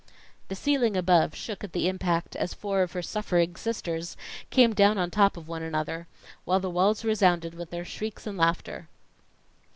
The ceiling above shook at the impact, as four of her suffering sisters came down on top of one another, while the walls resounded with their shrieks and laughter.